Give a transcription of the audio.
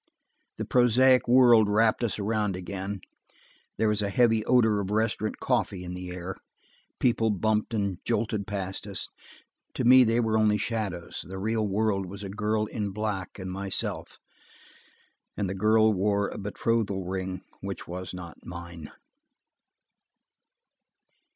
The prosaic world wrapped us around again; there was a heavy odor of restaurant coffee in the air; people bumped and jolted past us. To me they were only shadows; the real world was a girl in black and myself, and the girl wore a betrothal ring which was not mine.